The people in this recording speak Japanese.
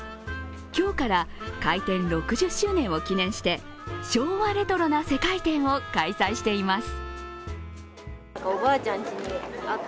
今日から、開店６０周年を記念して、昭和レトロな世界展を開催しています。